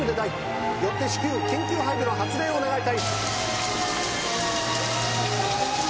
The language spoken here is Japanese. よって至急緊急配備の発令を願いたい。